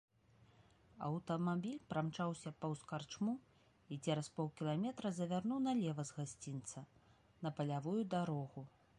Аўтамабіль прамчаўся паўз карчму і цераз паўкіламетра завярнуў налева з гасцінца, на палявую дарогу.